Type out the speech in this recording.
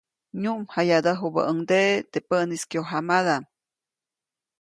Nyuʼmjayadäjubäʼuŋdeʼe teʼ päʼnis kyojamadaʼm.